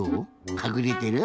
かくれてる？